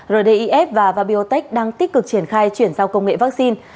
rdif và biotech đang tích cực triển khai chuyển giao công nghệ vaccine